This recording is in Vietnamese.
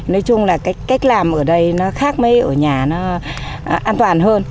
nói chung là cái cách làm ở đây nó khác mấy ở nhà nó an toàn hơn